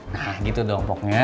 nah gitu dong pokoknya